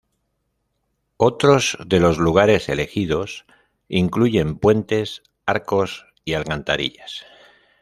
Otros de los lugares elegidos incluyen puentes, arcos y alcantarillas.